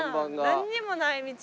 なんにもない道。